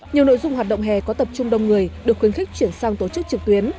nhiều nội dung hoạt động hè có tập trung đông người được khuyến khích chuyển sang tổ chức trực tuyến